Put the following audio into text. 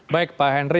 baik pak henry